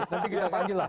nanti kita panggil lah